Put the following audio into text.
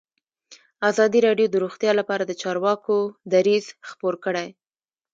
ازادي راډیو د روغتیا لپاره د چارواکو دریځ خپور کړی.